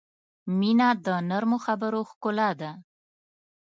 • مینه د نرمو خبرو ښکلا ده.